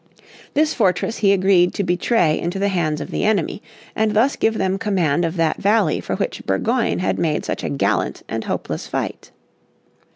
This fortress he agreed to betray into the hands of the enemy, and thus give them command of that valley for which Burgoyne had made such a gallant and hopeless fight.